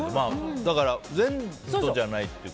だから、全土じゃないというか。